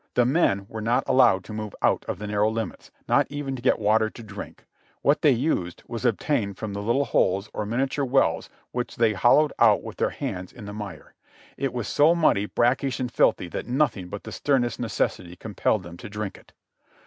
The men were not allowed to move out of the narrow limits, not even to get water to drink ; what they used was obtained from the little holes or miniature wells which they hollowed out with their hands in the mire ; it was so muddy, brackish and filthy, that nothing but the sternest necessity compelled them to drink it.